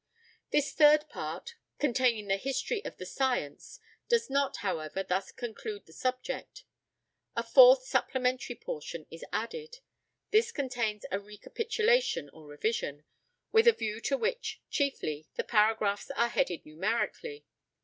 This third part, containing the history of the science, does not, however, thus conclude the subject: a fourth supplementary portion is added. This contains a recapitulation or revision; with a view to which, chiefly, the paragraphs are headed numerically.